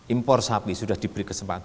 impor sapi sudah diberi kesempatan